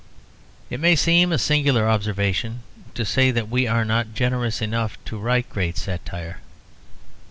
It may seem a singular observation to say that we are not generous enough to write great satire.